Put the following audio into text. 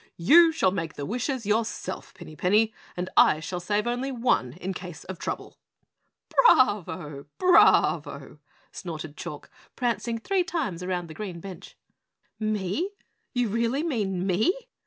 "You shall make the wishes yourself, Pinny Penny, and I shall save only one in case of trouble!" "Bravo! Bravo!" snorted Chalk, prancing three times round the green bench. "Me? You really mean me?"